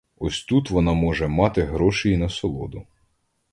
Ось тут вона може мати гроші й насолоду.